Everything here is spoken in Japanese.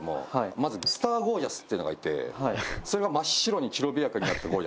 まずスター・ゴー☆ジャスっていうのがいてそれが真っ白にきらびやかになってるゴー☆ジャスさんで。